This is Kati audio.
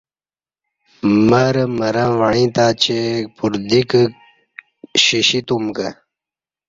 مرہ مرں وعیں تہ چہ پردیکی شیشی تم کہ